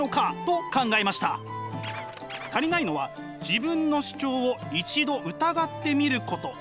足りないのは自分の主張を一度疑ってみること。